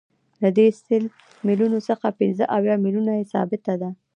له دې سل میلیونو څخه پنځه اویا میلیونه یې ثابته ده